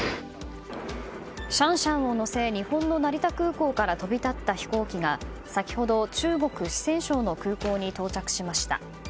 シャンシャンを乗せ日本の成田空港から飛び立った飛行機が先ほど、中国・四川省の空港に到着しました。